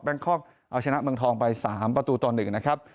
คอกเอาชนะเมืองทองไป๓ประตูต่อ๑นะครับ